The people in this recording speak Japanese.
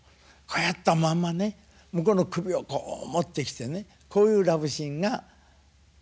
こうやったまんまね向こうの首をこう持ってきてねこういうラブシーンが。